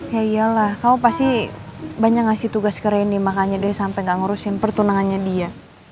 ya iyalah kamu pasti banyak ngasih tugas keren nih makanya deh sampe gak ngurusin pertunangannya dia